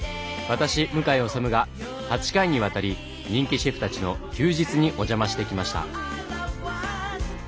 私向井理が８回にわたり人気シェフたちの休日にお邪魔してきました。